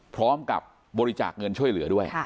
พร้อมกับบริจาคเงินช่วยเหลือด้วย